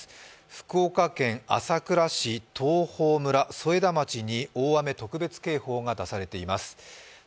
福岡県朝倉市、東峰村、添田町に大雨特別警報が出されています。